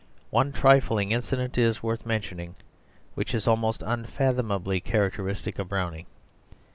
One trifling incident is worth mentioning which is almost unfathomably characteristic of Browning.